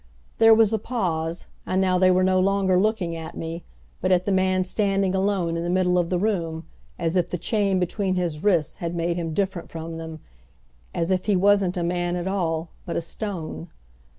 There was a pause, and now they were no longer looking at me, but at the man standing alone in the middle of the room, as if the chain between his wrists had made him different from them, as if he wasn't a man at all, but a stone.